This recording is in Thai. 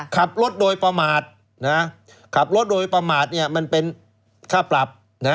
ขับรถโดยประมาทขับรถโดยประมาทมันเป็นค่าปรับ